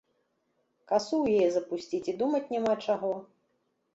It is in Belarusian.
Касу ў яе запусціць і думаць няма чаго.